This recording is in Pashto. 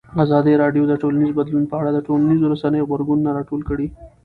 ازادي راډیو د ټولنیز بدلون په اړه د ټولنیزو رسنیو غبرګونونه راټول کړي.